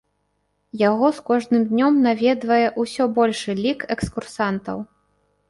Яго з кожным днём наведвае ўсё большы лік экскурсантаў.